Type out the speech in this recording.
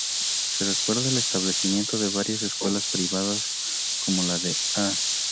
Se recuerda el establecimiento de varias escuelas privadas, como la de Dª.